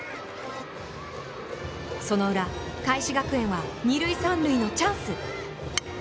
その裏、開志学園は二塁三塁のチャンス。